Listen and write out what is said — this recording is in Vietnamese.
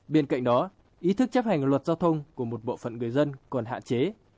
bên cạnh đó ý thức chấp hành luật giao thông của một bộ phận người dân còn hạn chế